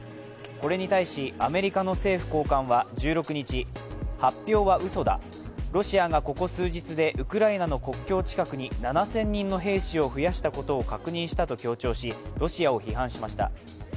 これに対し、アメリカの政府高官は１６日、発表はうそだ、ロシアがここ数日でウクライナの国境近くに７０００人の兵士を増やしたことを確認したと強調しロシアを批判しました。